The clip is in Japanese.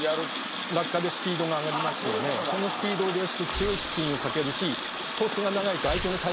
そのスピードを利用して強いスピンをかけるしトスが長いと。